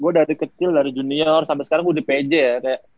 gue dari kecil dari junior sampai sekarang gue di pj ya kayak